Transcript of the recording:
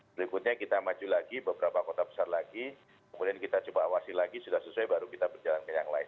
berikutnya kita maju lagi beberapa kota besar lagi kemudian kita coba awasi lagi sudah sesuai baru kita berjalan ke yang lain